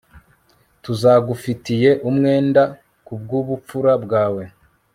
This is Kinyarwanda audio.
Tuzagufitiye umwenda kubwubupfura bwawe